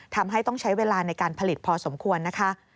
ทำให้ต้องใช้เวลาในการผลิตพอสมควรนะคะ